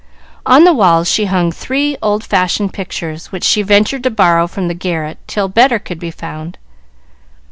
On the walls she hung three old fashioned pictures, which she ventured to borrow from the garret till better could be found.